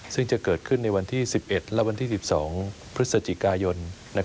ซึ่งจะเกิดขึ้นในวันที่๑๑และวันที่๑๒พฤศจิกายน